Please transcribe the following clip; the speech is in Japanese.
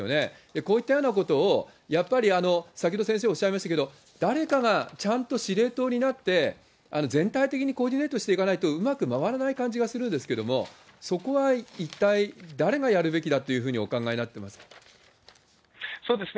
こういったようなことを、やっぱり先ほど先生おっしゃいましたけど、誰かがちゃんと司令塔になって、全体的にコーディネートしていかないとうまく回らない感じがするんですけど、そこは一体誰がやるべきだというふうにお考えになってますか？